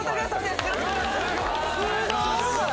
・すごい！